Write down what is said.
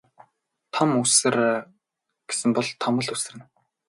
Том үсэр гэсэн бол том л үсэрнэ.